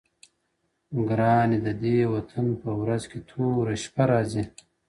گراني ددې وطن په ورځ كي توره شپـه راځي.